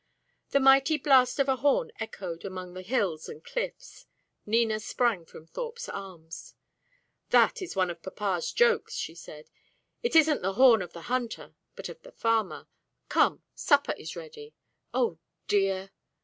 The mighty blast of a horn echoed among the hills and cliffs. Nina sprang from Thorpe's arms. "That is one of papa's jokes," she said. "It isn't the horn of the hunter, but of the farmer. Come, supper is ready. Oh, dear!"